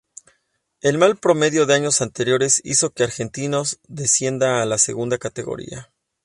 El mal promedio de años anteriores hizo que Argentinos descienda a la segunda categoría.